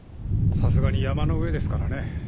さすがに山の上ですからね。